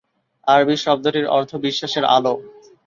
আরবি শব্দটির অর্থ "বিশ্বাসের আলো"।